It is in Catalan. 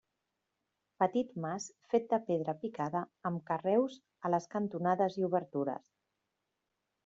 Petit mas fet de pedra picada amb carreus a les cantonades i obertures.